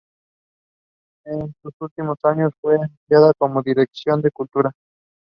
A screen adaptation of the story of writer Yuri Pakhomov.